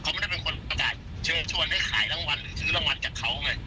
เขาไม่ได้เป็นคนประกาศเชิญชวนให้ขายรางวัลหรือซื้อรางวัลจากเขาไง